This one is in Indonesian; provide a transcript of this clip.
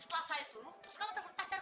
kamu tuh punya hutang